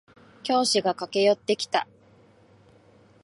教師が駆け寄ってきた。